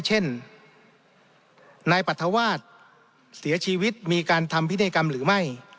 เช่นนายปรัฐวาสเสียชีวิตมีการทำพินัยกรรมหรือไม่